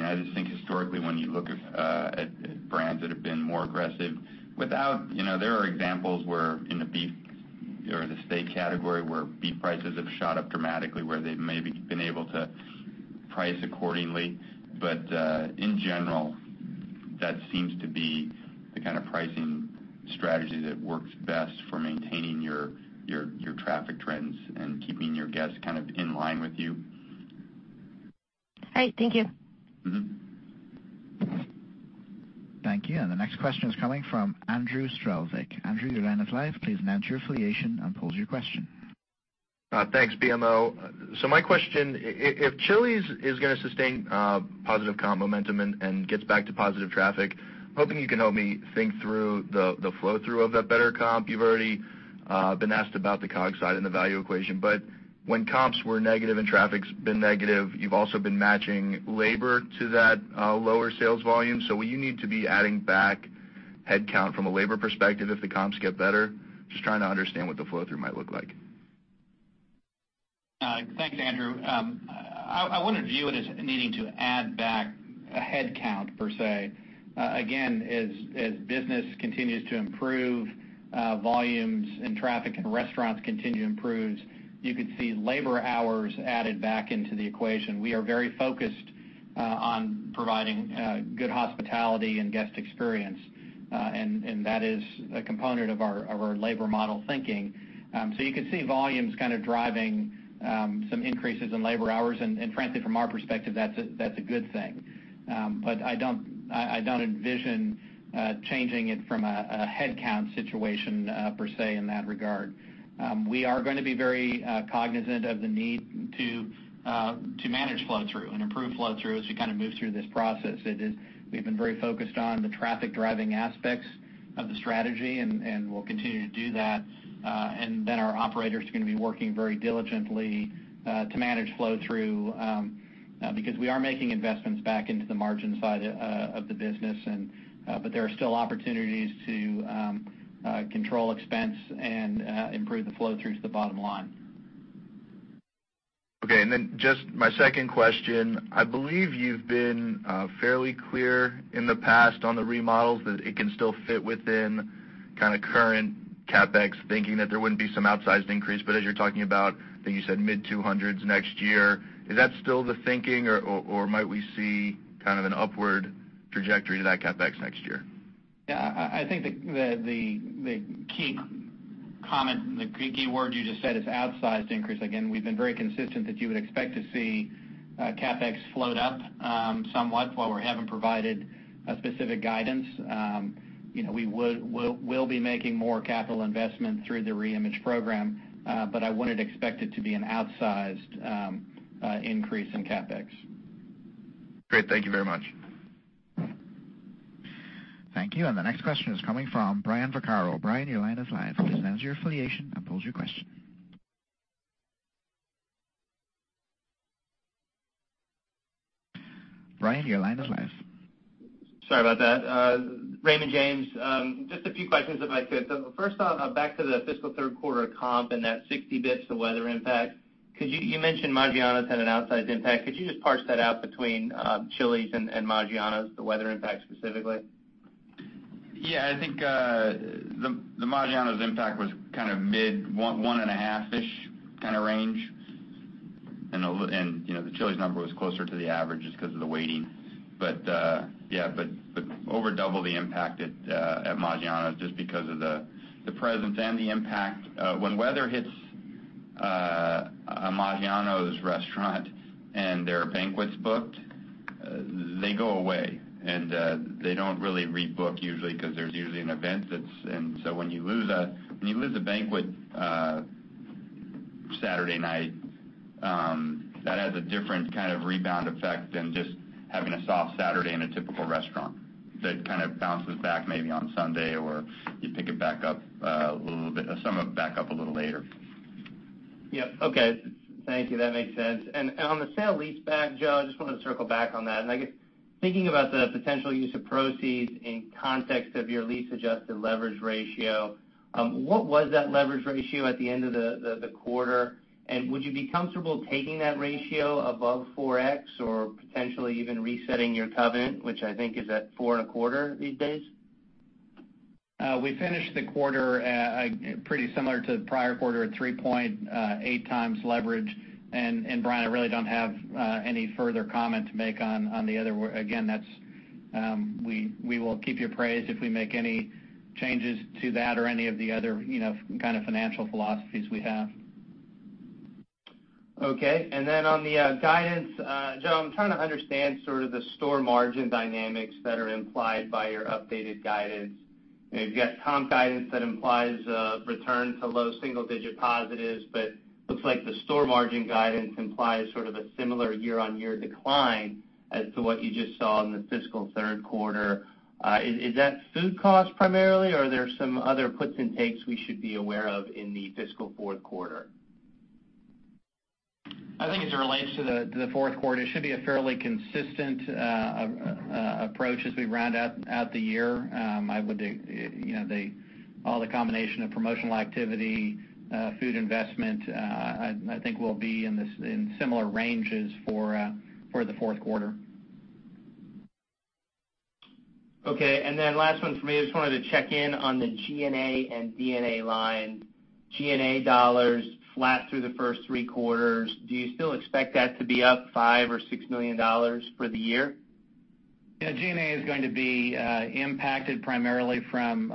I just think historically when you look at brands that have been more aggressive, there are examples where in the beef The steak category where beef prices have shot up dramatically, where they've maybe been able to price accordingly. In general, that seems to be the kind of pricing strategy that works best for maintaining your traffic trends and keeping your guests in line with you. All right. Thank you. Thank you. The next question is coming from Andrew Strelzik. Andrew, your line is live. Please state your affiliation and pose your question. Thanks, BMO. My question, if Chili's is going to sustain positive comp momentum and gets back to positive traffic, hoping you can help me think through the flow-through of that better comp. You've already been asked about the COGS side and the value equation, but when comps were negative and traffic's been negative, you've also been matching labor to that lower sales volume. Will you need to be adding back headcount from a labor perspective if the comps get better? Just trying to understand what the flow-through might look like. Thanks, Andrew. I wouldn't view it as needing to add back a headcount, per se. Again, as business continues to improve, volumes and traffic in restaurants continue to improve, you could see labor hours added back into the equation. We are very focused on providing good hospitality and guest experience, and that is a component of our labor model thinking. You could see volumes kind of driving some increases in labor hours, and frankly, from our perspective, that's a good thing. I don't envision changing it from a headcount situation per se, in that regard. We are going to be very cognizant of the need to manage flow-through and improve flow-through as we move through this process. We've been very focused on the traffic-driving aspects of the strategy, and we'll continue to do that. Our operators are going to be working very diligently to manage flow-through because we are making investments back into the margin side of the business, but there are still opportunities to control expense and improve the flow-through to the bottom line. Just my second question. I believe you've been fairly clear in the past on the remodels, that it can still fit within current CapEx, thinking that there wouldn't be some outsized increase. As you're talking about, I think you said mid-200s next year, is that still the thinking or might we see an upward trajectory to that CapEx next year? I think the key comment, the key word you just said is outsized increase. Again, we've been very consistent that you would expect to see CapEx float up somewhat while we haven't provided a specific guidance. We'll be making more capital investment through the Reimage Program, but I wouldn't expect it to be an outsized increase in CapEx. Great. Thank you very much. Thank you. The next question is coming from Brian Vaccaro. Brian, your line is live. Please announce your affiliation and pose your question. Brian, your line is live. Sorry about that. Raymond James. Just a few questions, if I could. First off, back to the fiscal third quarter comp and that 60 basis points, the weather impact. You mentioned Maggiano's had an outsized impact. Could you just parse that out between Chili's and Maggiano's, the weather impact specifically? Yeah, I think, the Maggiano's impact was mid 1.5-ish kind of range. The Chili's number was closer to the average just because of the weighting. Over double the impact at Maggiano's just because of the presence and the impact. When weather hits a Maggiano's restaurant and there are banquets booked, they go away, and they don't really rebook usually because there's usually an event. When you lose a banquet Saturday night, that has a different kind of rebound effect than just having a soft Saturday in a typical restaurant that kind of bounces back maybe on Sunday, or you pick it back up a little bit, some of it back up a little later. Yep. Okay. Thank you. That makes sense. On the sale leaseback, Joe, I just wanted to circle back on that. I guess thinking about the potential use of proceeds in context of your lease-adjusted leverage ratio, what was that leverage ratio at the end of the quarter? Would you be comfortable taking that ratio above 4x or potentially even resetting your covenant, which I think is at 4.25 these days? We finished the quarter pretty similar to the prior quarter at 3.8 times leverage. Brian, I really don't have any further comment to make on the other. Again, we will keep you apprised if we make any changes to that or any of the other kind of financial philosophies we have. Okay. On the guidance, Joe, I'm trying to understand sort of the store margin dynamics that are implied by your updated guidance. You've got comp guidance that implies a return to low single-digit positives, but looks like the store margin guidance implies sort of a similar year-on-year decline as to what you just saw in the fiscal third quarter. Is that food cost primarily, or are there some other puts and takes we should be aware of in the fiscal fourth quarter? I think as it relates to the fourth quarter, it should be a fairly consistent approach as we round out the year. All the combination of promotional activity, food investment I think will be in similar ranges for the fourth quarter. Okay. Last one for me, I just wanted to check in on the G&A and D&A line. G&A dollars flat through the first three quarters. Do you still expect that to be up $5 million or $6 million for the year? Yeah, G&A is going to be impacted primarily from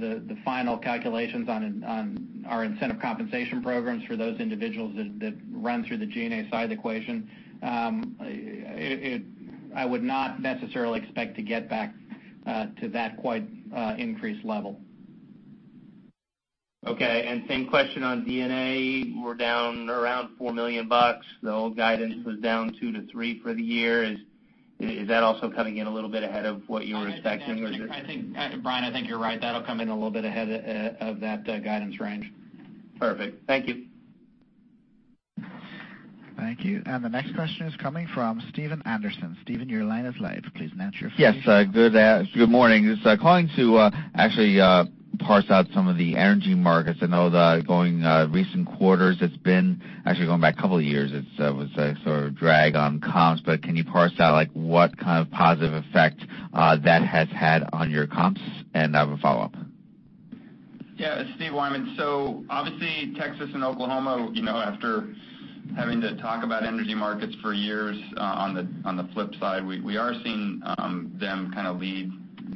the final calculations on our incentive compensation programs for those individuals that run through the G&A side of the equation. I would not necessarily expect to get back to that quite increased level. Okay. Same question on D&A. We're down around $4 million. The whole guidance was down $2 million-$3 million for the year. Is that also coming in a little bit ahead of what you were expecting? Brian, I think you're right. That'll come in a little bit ahead of that guidance range. Perfect. Thank you. Thank you. The next question is coming from Stephen Anderson. Stephen, your line is live. Please state your affiliation. Yes. Good morning. Just calling to actually parse out some of the energy markets. I know that going recent quarters, it's been actually going back a couple of years, it was a sort of drag on comps. Can you parse out what kind of positive effect that has had on your comps? I have a follow-up. Yeah, Wyman Roberts. Obviously, Texas and Oklahoma, after having to talk about energy markets for years, on the flip side, we are seeing them kind of lead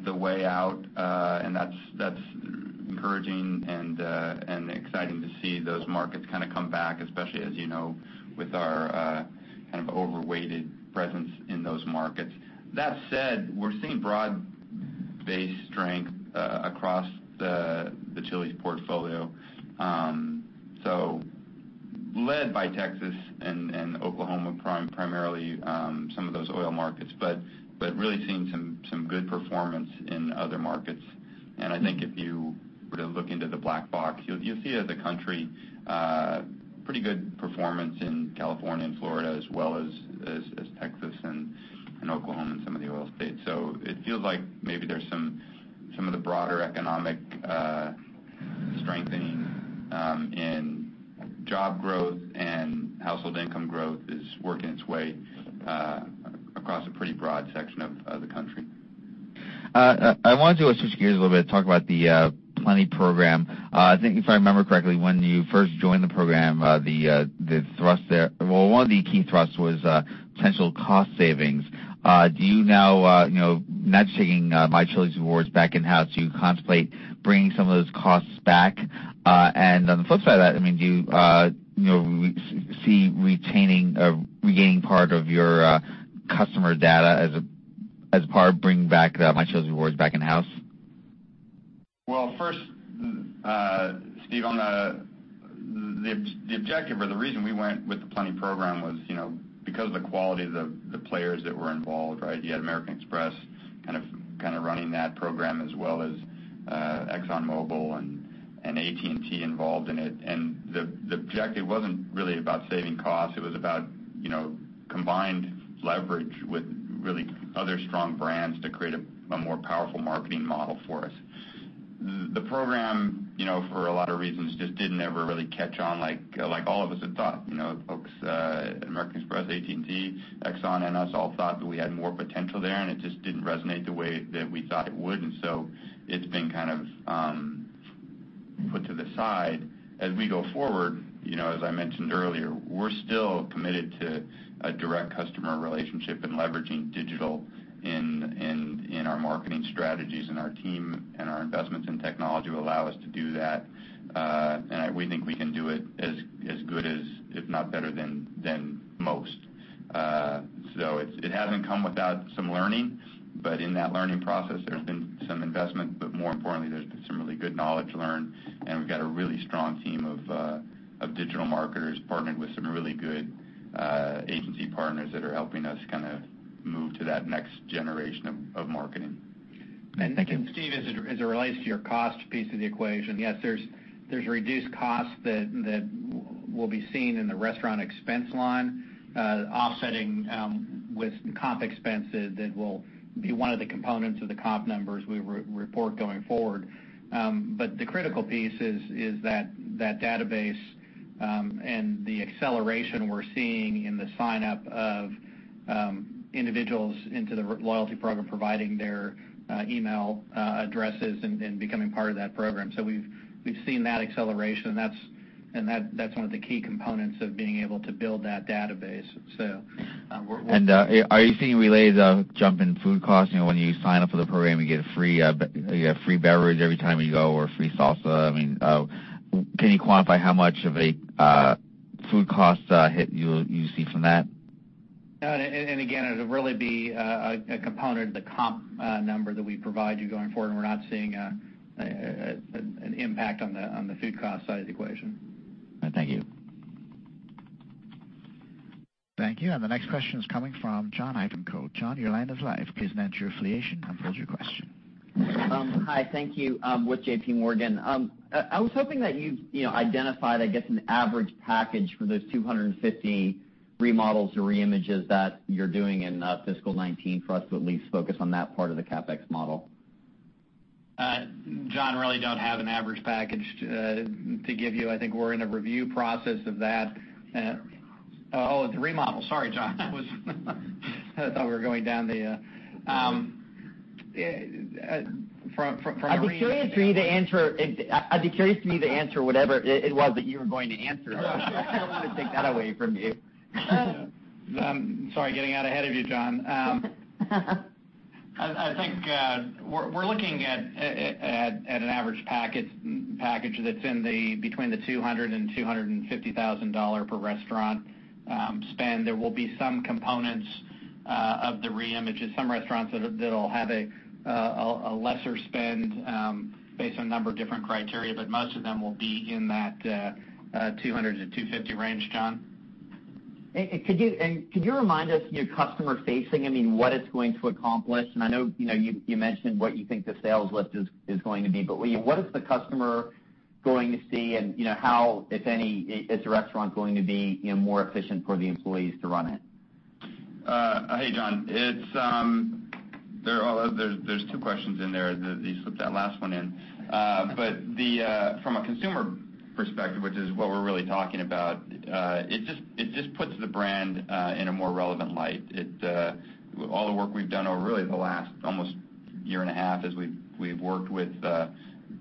the way out. That's encouraging and exciting to see those markets kind of come back, especially as you know, with our kind of overweighted presence in those markets. That said, we're seeing broad-based strength across the Chili's portfolio, so led by Texas and Oklahoma, primarily some of those oil markets, but really seeing some good performance in other markets. I think if you were to look into the black box, you'll see as a country, pretty good performance in California and Florida as well as Texas and Oklahoma and some of the oil states. It feels like maybe there's some of the broader economic strengthening in job growth and household income growth is working its way across a pretty broad section of the country. I wanted to switch gears a little bit, talk about the Plenti program. I think if I remember correctly, when you first joined the program, one of the key thrusts was potential cost savings. Now taking My Chili's Rewards back in-house, do you contemplate bringing some of those costs back? On the flip side of that, do you see retaining or regaining part of your customer data as part of bringing back the My Chili's Rewards back in-house? Well, first, Steve, the objective or the reason we went with the Plenti program was because of the quality of the players that were involved. You had American Express kind of running that program as well as ExxonMobil and AT&T involved in it. The objective wasn't really about saving costs. It was about combined leverage with really other strong brands to create a more powerful marketing model for us. The program, for a lot of reasons, just didn't ever really catch on like all of us had thought. The folks at American Express, AT&T, Exxon, and us all thought that we had more potential there, it just didn't resonate the way that we thought it would, so it's been kind of put to the side. As we go forward, as I mentioned earlier, we're still committed to a direct customer relationship and leveraging digital in our marketing strategies, our team and our investments in technology allow us to do that. We think we can do it as good as, if not better than, most. It hasn't come without some learning. In that learning process, there's been some investment. More importantly, there's been some really good knowledge learned. We've got a really strong team of digital marketers partnered with some really good agency partners that are helping us kind of move to that next generation of marketing. Thank you. Steve, as it relates to your cost piece of the equation, yes, there's reduced cost that will be seen in the restaurant expense line offsetting with comp expenses that will be one of the components of the comp numbers we report going forward. The critical piece is that database and the acceleration we're seeing in the sign-up of individuals into the loyalty program, providing their email addresses and becoming part of that program. We've seen that acceleration, and that's one of the key components of being able to build that database. We're- Are you seeing related jump in food costs? When you sign up for the program, you get a free beverage every time you go or free salsa. Can you quantify how much of a food cost hit you see from that? Again, it'll really be a component of the comp number that we provide you going forward, and we're not seeing an impact on the food cost side of the equation. Thank you. Thank you. The next question is coming from John Ivankoe. John, your line is live. Please state your affiliation and pose your question. Hi. Thank you. I'm with JPMorgan. I was hoping that you've identified, I guess, an average package for those 250 remodels or reimages that you're doing in fiscal 2019 for us to at least focus on that part of the CapEx plan. John, really don't have an average package to give you. I think we're in a review process of that. The remodel. Oh, the remodel. Sorry, John. I thought we were going down the I'd be curious for you to answer whatever it was that you were going to answer. I don't want to take that away from you. I'm sorry, getting out ahead of you, John. I think we're looking at an average package that's between the $200,000 and $250,000 per restaurant spend. There will be some components of the re-images, some restaurants that'll have a lesser spend based on a number of different criteria, but most of them will be in that $200-$250 range, John. Could you remind us, customer facing, what it's going to accomplish? I know you mentioned what you think the sales lift is going to be, but what is the customer going to see and how, if any, is the restaurant going to be more efficient for the employees to run it? Hey, John. There's two questions in there, that you slipped that last one in. From a consumer perspective, which is what we're really talking about, it just puts the brand in a more relevant light. All the work we've done over really the last almost year and a half as we've worked with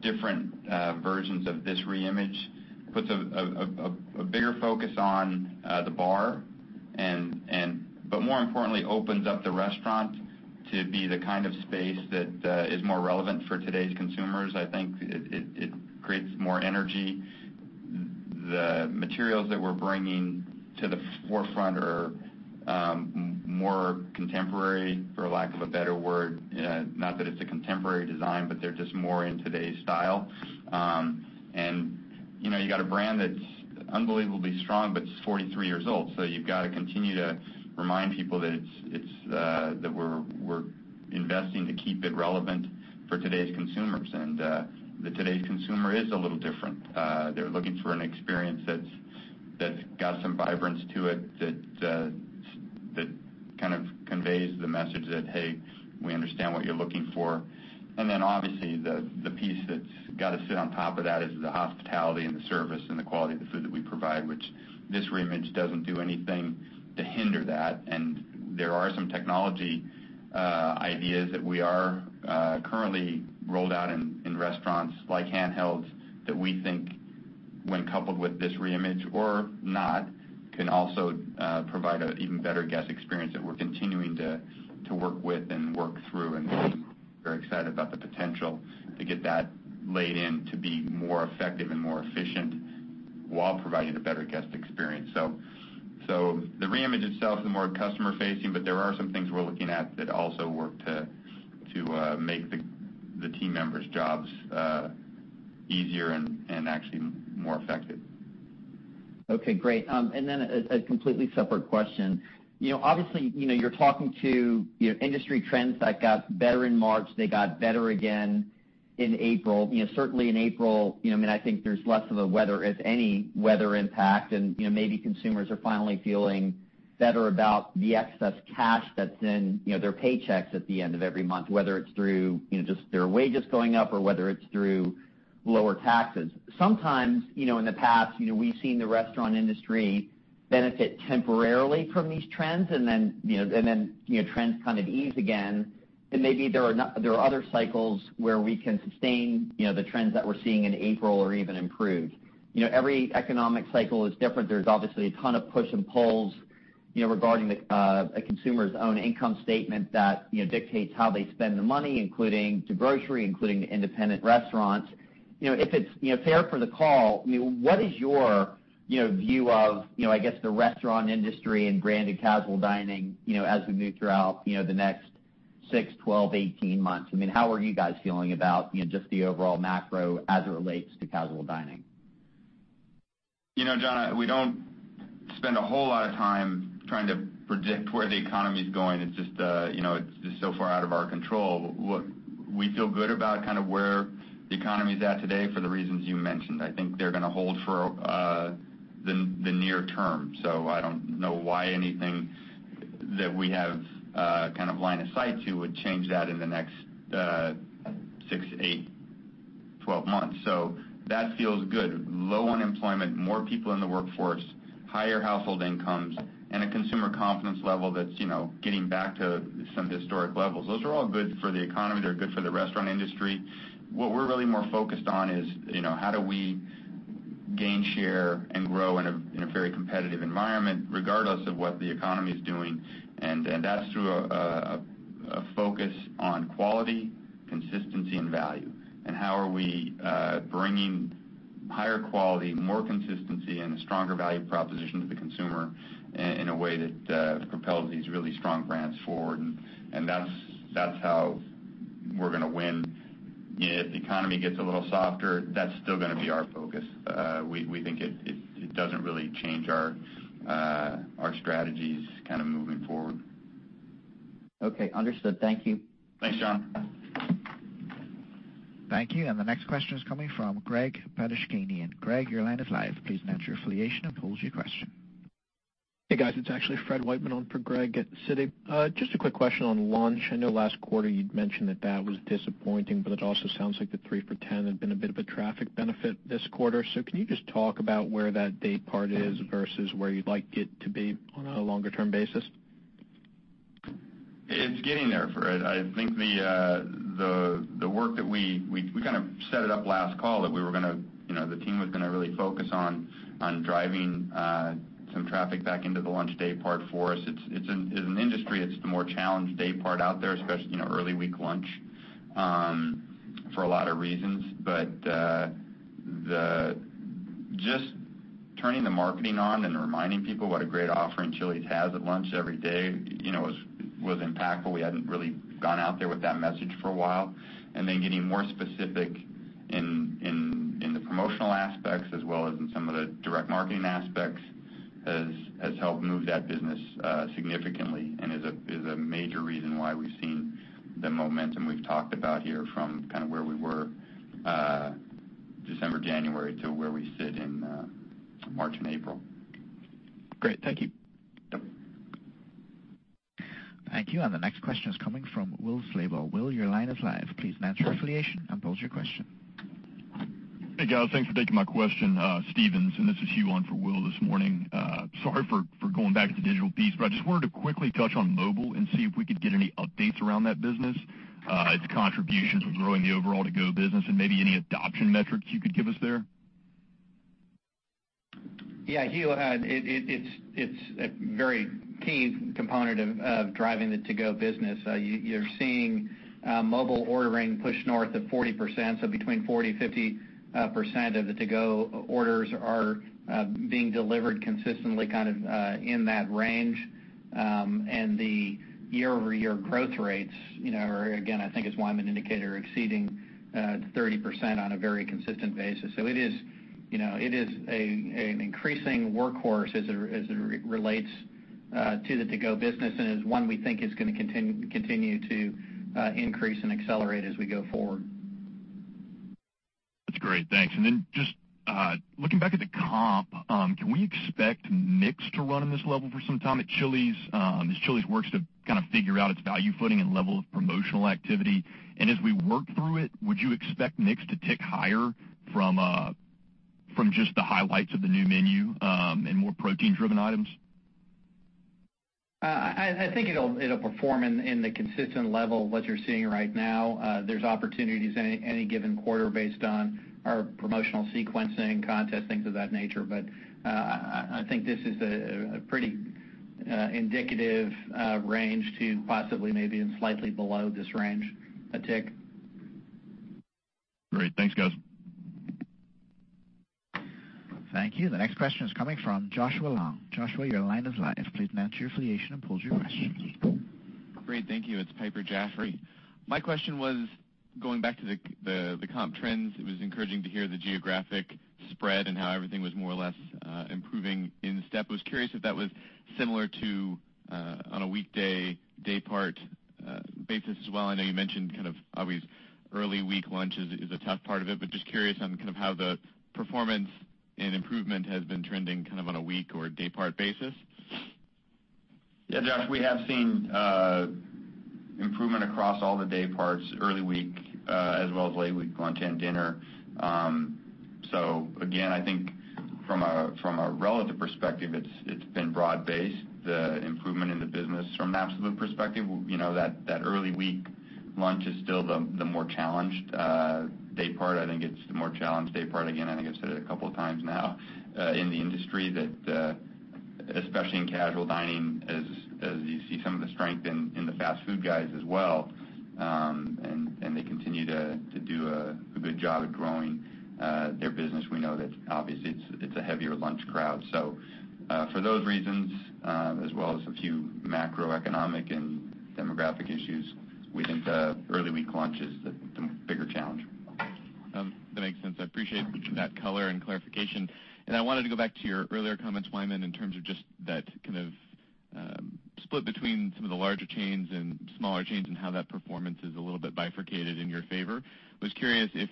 different versions of this re-image, puts a bigger focus on the bar, but more importantly opens up the restaurant to be the kind of space that is more relevant for today's consumers. I think it creates more energy. The materials that we're bringing to the forefront are more contemporary, for lack of a better word. Not that it's a contemporary design, but they're just more in today's style. You've got a brand that's unbelievably strong, but it's 43 years old, so you've got to continue to remind people that we're investing to keep it relevant for today's consumers. Today's consumer is a little different. They're looking for an experience that's got some vibrance to it, that kind of conveys the message that, hey, we understand what you're looking for. Then obviously the piece that's got to sit on top of that is the hospitality and the service and the quality of the food that we provide, which this re-image doesn't do anything to hinder that. There are some technology ideas that we are currently rolled out in restaurants, like handhelds, that we think when coupled with this re-image or not, can also provide an even better guest experience that we're continuing to work with and work through, and we're very excited about the potential to get that laid in to be more effective and more efficient while providing a better guest experience. The re-image itself is more customer facing, but there are some things we're looking at that also work to make the team members' jobs easier and actually more effective. Okay, great. Then a completely separate question. Obviously, you're talking to industry trends that got better in March. They got better again in April. Certainly in April, I think there's less of a weather, if any, weather impact and maybe consumers are finally feeling better about the excess cash that's in their paychecks at the end of every month, whether it's through just their wages going up or whether it's through lower taxes. Sometimes, in the past, we've seen the restaurant industry benefit temporarily from these trends and then trends kind of ease again. Maybe there are other cycles where we can sustain the trends that we're seeing in April or even improve. Every economic cycle is different. There's obviously a ton of push and pulls regarding a consumer's own income statement that dictates how they spend the money, including to grocery, including to independent restaurants. If it's fair for the call, what is your view of the restaurant industry and branded casual dining, as we move throughout the next 6, 12, 18 months? How are you guys feeling about just the overall macro as it relates to casual dining? John, we don't spend a whole lot of time trying to predict where the economy's going. It's just so far out of our control. We feel good about where the economy's at today for the reasons you mentioned. I think they're going to hold for the near term. I don't know why anything that we have line of sight to would change that in the next 6, 8, 12 months. That feels good. Low unemployment, more people in the workforce, higher household incomes, and a consumer confidence level that's getting back to some historic levels. Those are all good for the economy. They're good for the restaurant industry. What we're really more focused on is how do we gain share and grow in a very competitive environment, regardless of what the economy's doing, and that's through a focus on quality, consistency, and value. How are we bringing higher quality, more consistency, and a stronger value proposition to the consumer in a way that propels these really strong brands forward, and that's how we're going to win. If the economy gets a little softer, that's still going to be our focus. We think it doesn't really change our strategies moving forward. Okay, understood. Thank you. Thanks, John. Thank you. The next question is coming from Gregory Badishkanian. Greg, your line is live. Please state your affiliation and pose your question. Hey, guys. It's actually Frederick Wightman on for Greg at Citi. Just a quick question on lunch. I know last quarter you'd mentioned that that was disappointing, but it also sounds like the 3 for $10 had been a bit of a traffic benefit this quarter. Can you just talk about where that day part is versus where you'd like it to be on a longer-term basis? It's getting there, Fred. I think the work that we set it up last call, that the team was going to really focus on driving some traffic back into the lunch day part for us. As an industry, it's the more challenged day part out there, especially early week lunch, for a lot of reasons. Just turning the marketing on and reminding people what a great offering Chili's has at lunch every day was impactful. We hadn't really gone out there with that message for a while. Then getting more specific in the promotional aspects as well as in some of the direct marketing aspects has helped move that business significantly and is a major reason why we've seen the momentum we've talked about here from kind of where we were December, January, to where we sit in March and April. Great. Thank you. Yep. Thank you. The next question is coming from Will Slabaugh. Will, your line is live. Please state your affiliation and pose your question. Hey, guys. Thanks for taking my question. Stephens, this is Hugh on for Will this morning. Sorry for going back to the digital piece, I just wanted to quickly touch on mobile and see if we could get any updates around that business, its contributions in growing the overall to-go business, and maybe any adoption metrics you could give us there. Yeah, Hugh, it's a very key component of driving the to-go business. You're seeing mobile ordering push north of 40%. Between 40%-50% of the to-go orders are being delivered consistently, kind of in that range. The year-over-year growth rates are, again, I think as Wyman indicated, are exceeding 30% on a very consistent basis. It is an increasing workhorse as it relates to the to-go business and is one we think is going to continue to increase and accelerate as we go forward. That's great. Thanks. Then just looking back at the comp, can we expect mix to run in this level for some time as Chili's works to kind of figure out its value footing and level of promotional activity? As we work through it, would you expect mix to tick higher from just the highlights of the new menu and more protein-driven items? I think it'll perform in the consistent level of what you're seeing right now. There's opportunities any given quarter based on our promotional sequencing contest, things of that nature. I think this is a pretty indicative range to possibly maybe in slightly below this range, a tick. Great. Thanks, guys. Thank you. The next question is coming from Joshua Long. Joshua, your line is live. Please state your affiliation and pose your question. Great. Thank you. It's Piper Jaffray. My question was going back to the comp trends. It was encouraging to hear the geographic spread and how everything was more or less improving in step. I was curious if that was similar to on a weekday, day part basis as well. I know you mentioned kind of obvious early week lunch is a tough part of it, but just curious on kind of how the performance and improvement has been trending kind of on a week or day part basis. Yeah, Josh, we have seen improvement across all the day parts, early week as well as late week, lunch and dinner. Again, I think from a relative perspective, it's been broad-based, the improvement in the business. From an absolute perspective, that early week lunch is still the more challenged day part. I think it's the more challenged day part, again, I think I've said it a couple of times now, in the industry that, especially in casual dining, as you see some of the strength in the fast food guys as well, and they continue to do a good job at growing their business. We know that obviously it's a heavier lunch crowd. For those reasons, as well as a few macroeconomic and demographic issues, we think early week lunch is the bigger challenge. That makes sense. I appreciate that color and clarification. I wanted to go back to your earlier comments, Wyman, in terms of just that kind of split between some of the larger chains and smaller chains and how that performance is a little bit bifurcated in your favor. I was curious if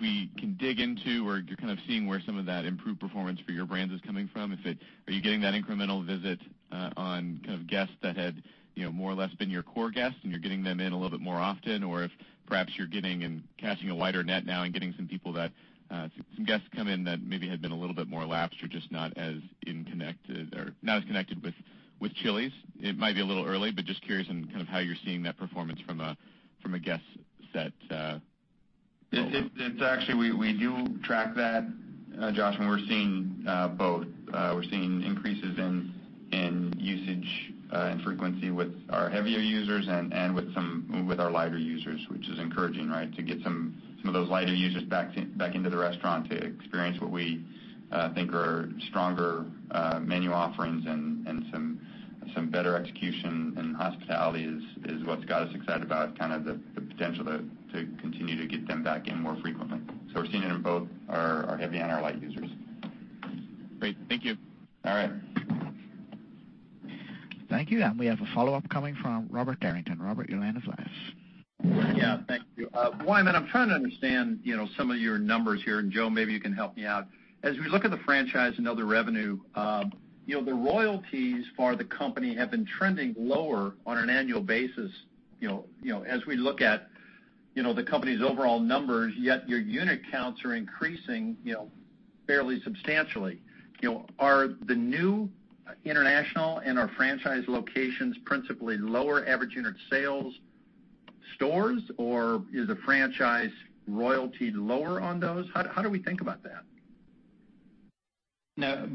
we can dig into, or you're kind of seeing where some of that improved performance for your brands is coming from. Are you getting that incremental visit on kind of guests that had more or less been your core guests, and you're getting them in a little bit more often? Or if perhaps you're getting and casting a wider net now and getting some people that some guests come in that maybe had been a little bit more lapsed or just not as connected with Chili's. It might be a little early, just curious on kind of how you're seeing that performance from a guest set role. It's actually, we do track that, Josh. We're seeing both. We're seeing increases in usage and frequency with our heavier users and with our lighter users, which is encouraging, right? To get some of those lighter users back into the restaurant to experience what we think are stronger menu offerings and some better execution in hospitality is what's got us excited about kind of the potential to continue to get them back in more frequently. We're seeing it in both our heavy and our light users. Great. Thank you. All right. Thank you. We have a follow-up coming from Robert Derrington. Robert, your line is live. Yeah, thank you. Wyman, I'm trying to understand some of your numbers here. Joe, maybe you can help me out. As we look at the franchise and other revenue, the royalties for the company have been trending lower on an annual basis as we look at the company's overall numbers, yet your unit counts are increasing fairly substantially. Are the new international and our franchise locations principally lower average unit sales stores, or is the franchise royalty lower on those? How do we think about that? No,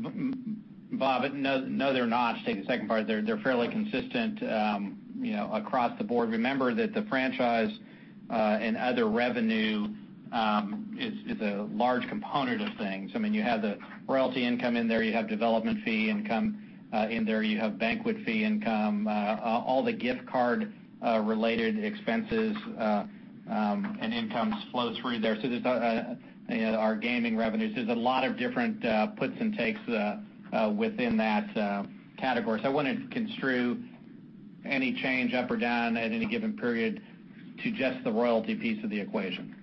Bob, no, they're not. To take the second part, they're fairly consistent across the board. Remember that the franchise and other revenue is a large component of things. I mean, you have the royalty income in there, you have development fee income in there, you have banquet fee income, all the gift card related expenses and income flows through there. There's our gaming revenues. There's a lot of different puts and takes within that category. I wouldn't construe any change up or down at any given period to just the royalty piece of the equation.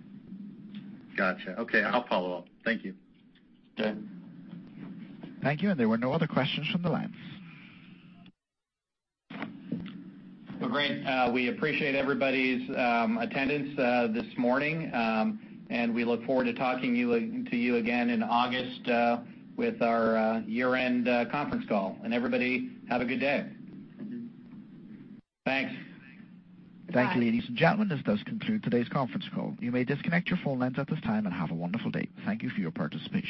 Got you. Okay, I'll follow up. Thank you. Okay. Thank you. There were no other questions from the lines. Well, great. We appreciate everybody's attendance this morning. We look forward to talking to you again in August with our year-end conference call. Everybody, have a good day. Thanks. Thank you, ladies and gentlemen. This does conclude today's conference call. You may disconnect your phone lines at this time and have a wonderful day. Thank you for your participation.